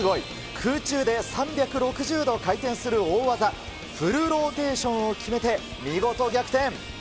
空中で３６０度回転する大技、フルローテーションを決めて、見事逆転。